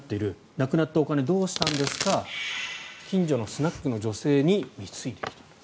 なくなったお金どうしたんですか近所のスナックの女性に貢いでいた。